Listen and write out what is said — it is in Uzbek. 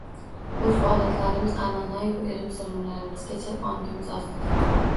Urf-odatlarimiz, anʼanayu irim-sirimlarimizgacha, ongimiz ostida